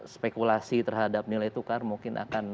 spekulasi terhadap nilai tukar mungkin akan